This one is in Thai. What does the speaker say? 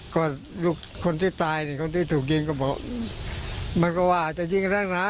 ก็ลูกคนที่ตายคนที่ถูกยิงก็บอกมันก็ว่าอาจจะยิงอะไร